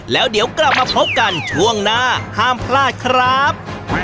แล้วเดี๋ยวกลับมาพบกันช่วงหน้าห้ามพลาดครับ